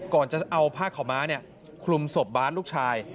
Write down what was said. ก่อนจะเอาผ้าขาวม้าคลุมศพบาสลูกชาย